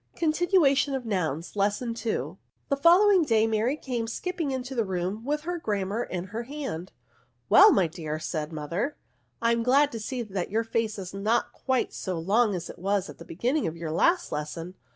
CONTINUATION OF NOUNS. Lesson II. The following day Mary came skipping into the room with her Grammar in her hand. " Well, my dear," said her mother, I am glad to see that your face is not quite so long as it was at the beginning of your last lesson."